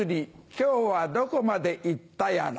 今日はどこまで行ったやら。